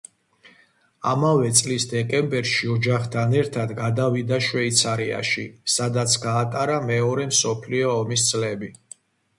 ამავე წლის დეკემბერში ოჯახთან ერთად გადავიდა შვეიცარიაში სადაც გაატარა მეორე მსოფლიო ომის წლები.